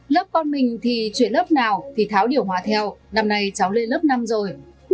lớp con mình thì chuyển lớp nào thì tháo điều hòa theo năm nay cháu lên lớp năm rồi